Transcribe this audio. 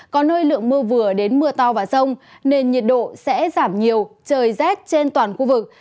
có nơi lượng mưa vừa đến mưa to và rông nên nhiệt độ sẽ giảm nhiều trời rét trên toàn khu vực